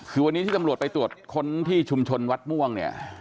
คือวันนี้ที่ตำรวจไปตรวจค้นที่ชุมชนวัดม่วงเนี่ย